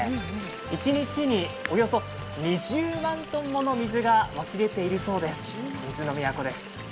一日におよそ２０万トンもの水が湧き出ているそうです、水の都です。